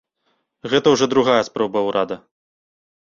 Гэта ўжо другая спроба ўрада.